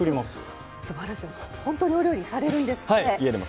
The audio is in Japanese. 本当にお料理されるんですって。